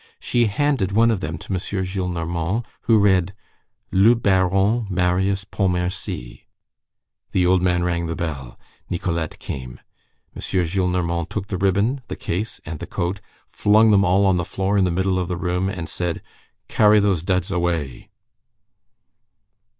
She handed one of them to M. Gillenormand, who read: Le Baron Marius Pontmercy. The old man rang the bell. Nicolette came. M. Gillenormand took the ribbon, the case, and the coat, flung them all on the floor in the middle of the room, and said:— "Carry those duds away."